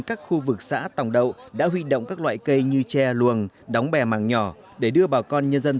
các khu vực xã tòng đậu đã huy động các loại cây như tre luồng đóng bè màng nhỏ để đưa bà con nhân dân